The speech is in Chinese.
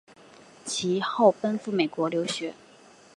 其后赴美国留学。